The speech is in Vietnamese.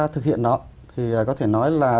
thực hiện nó thì có thể nói là